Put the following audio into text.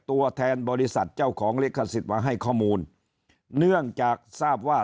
ตัวแทนบริษัทเจ้าของลิขสิทธิ์มาให้ข้อมูลเนื่องจากทราบว่า